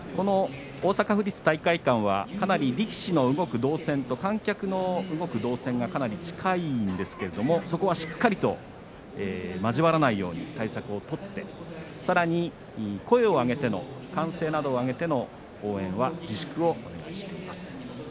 大阪府立体育会館は力士の動く動線と観客の動く動線がかなり近いんですけれどそこは、しっかりと交わらないように対策を取ってさらに声を上げての歓声などを上げての応援は自粛をお願いしています。